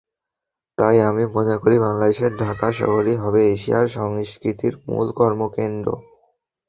তাই আমি মনে করি বাংলাদেশের ঢাকা শহরই হবে এশিয়ার সংস্কৃতির মূল কর্মকেন্দ্র।